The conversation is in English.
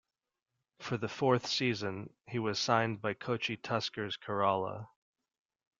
For the fourth season, he was signed by Kochi Tuskers Kerala.